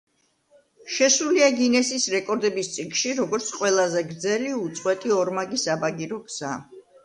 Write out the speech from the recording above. შესულია გინესის რეკორდების წიგნში როგორც ყველაზე გრძელი, უწყვეტი, ორმაგი საბაგირო გზა.